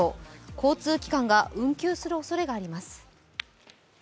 交通機関が運休するおそれがあります。